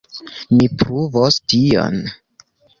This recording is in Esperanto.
Mi pruvos tion.